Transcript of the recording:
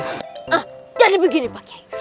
hah jadi begini pak giai